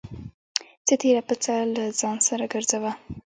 څه تېره پڅه له ځان سره گرځوه.